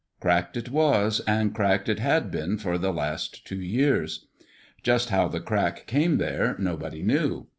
Cracked it was, and cracked it had been for the last two years. Just how the crack came there, nobody knew.